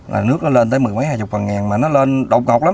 là nước nó lên tới mười mấy hai chục phần ngàn mà nó lên độc ngọt lắm